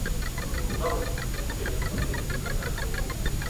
Правосудни систем још увијек је крхак.